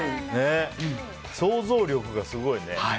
想像力がすごいね。